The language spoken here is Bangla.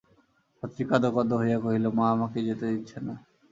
ছাত্রী কাঁদোকাঁদো হইয়া কহিল, মা আমাকে যেতে দিচ্ছে না।